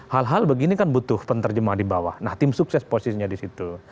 hal hal begini kan butuh penerjemah di bawah nah tim sukses posisinya di situ